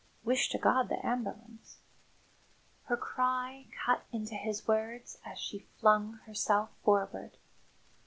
Wish to God the amberlance " Her cry cut into his words as she flung herself forward.